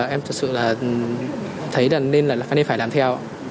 em thực sự là thấy là nên phải làm theo